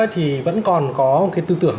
thì vẫn còn có cái tư tưởng